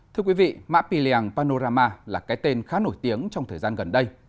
thưa quý vị mã pì lèng panorama là cái tên khá nổi tiếng trong thời gian gần đây